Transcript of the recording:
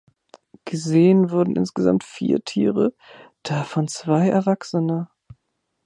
Gesehen wurden insgesamt vier Tiere, davon zwei erwachsene.